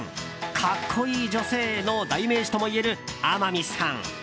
格好いい女性の代名詞ともいえる天海さん。